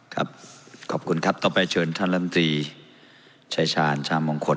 ครับขอบคุณครับต่อไปเชิญท่านลำตรีชายชาญชามงคล